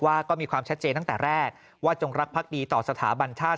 ว่าก็มีความชัดเจนตั้งแต่แรกว่าจงรักพักดีต่อสถาบันชาติ